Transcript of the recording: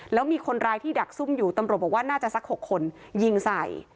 แล้วมีคนร้ายที่ดักซุ่มอยู่ตำรวจบอกว่าน่าจะสัก๖คนยิงใส่